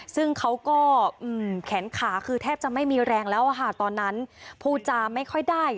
ซึ่งเขาก็แขนขาคือแทบจะไม่มีแรงแล้วค่ะตอนนั้นพูดจาไม่ค่อยได้